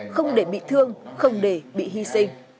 không để bị thương không để bị hy sinh